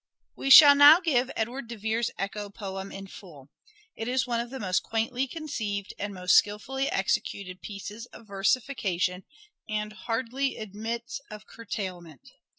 We shall now give Edward de Vere's echo poem in oxford's full. It is one of the most quaintly conceived and most Echo P06™ skilfully executed pieces of versification, and hardly admits of curtailment.